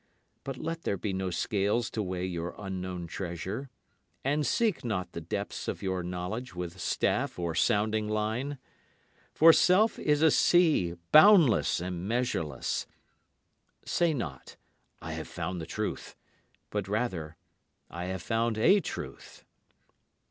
But let there be no scales to weigh your unknown treasure; And seek not the depths of your knowledge with staff or sounding line. For self is a sea boundless and measureless. Say not, "I have found the truth," but rather, "I have found a truth."